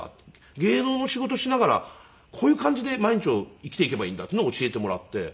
芸能の仕事をしながらこういう感じで毎日を生きていけばいいんだっていうのを教えてもらって。